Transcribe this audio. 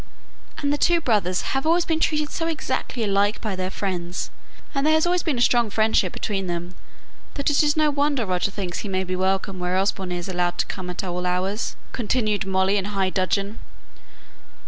"And the two brothers have always been treated so exactly alike by their friends, and there has been such a strong friendship between them, that it is no wonder Roger thinks he may be welcome where Osborne is allowed to come at all hours," continued Molly, in high dudgeon.